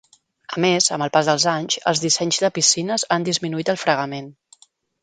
A més, amb el pas dels anys, els dissenys de piscines han disminuït el fregament.